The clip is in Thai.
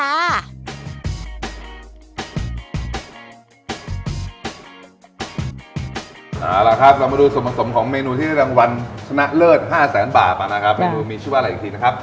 เอาล่ะครับเรามาดูส่วนผสมของเมนูที่ได้รางวัลชนะเลิศ๕แสนบาทนะครับเมนูมีชื่อว่าอะไรอีกทีนะครับ